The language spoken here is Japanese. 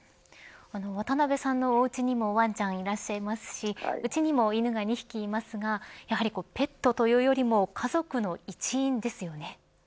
渡辺さんのおうちにもワンちゃんいらっしゃいますしうちにも犬が２匹いますがやはりペットというよりも家族の一員ですよね。